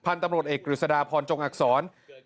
พันธ์ตำรวจเอกกริจศาดาพรจงอักษร